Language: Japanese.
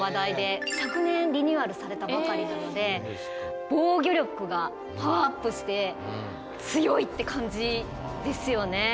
昨年リニューアルされたばかりなので防御力がパワーアップして強いって感じですよね。